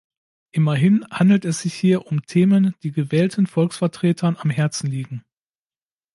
Immerhin handelt es sich hier um Themen, die gewählten Volksvertretern am Herzen liegen.